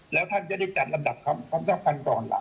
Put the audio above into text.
แล้วท่านจะได้จัดลำดับคำสัมภัณฑ์ก่อนหลัง